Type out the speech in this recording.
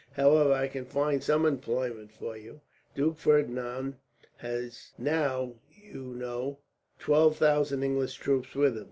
However, I can find some employment for you. Duke Ferdinand has now, you know, twelve thousand English troops with him.